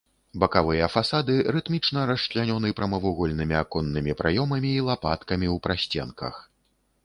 Бакавыя фасады рытмічна расчлянёны прамавугольнымі аконнымі праёмамі і лапаткамі ў прасценках.